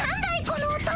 この音。